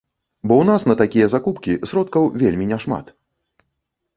Бо ў нас на такія закупкі сродкаў вельмі няшмат.